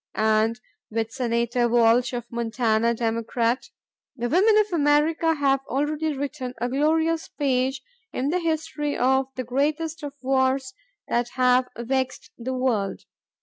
And with Senator Walsh of Montana, Democrat, "The women of America have already written a glorious page in the history of the greatest of wars that have vexed the world.